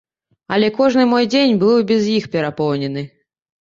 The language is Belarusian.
Але кожны мой дзень быў і без іх перапоўнены.